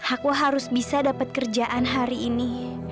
aku harus bisa dapat kerjaan hari ini